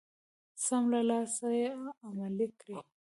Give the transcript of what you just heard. سم له لاسه يې عملي کړئ.